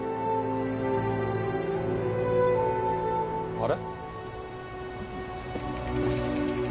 あれ？